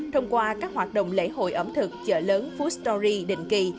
thông qua các hoạt động lễ hội ẩm thực chợ lớn food story định kỳ